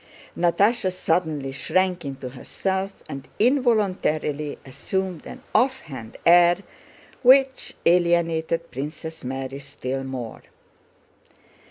Natásha suddenly shrank into herself and involuntarily assumed an offhand air which alienated Princess Mary still more.